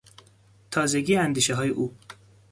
تازگی اندیشههای او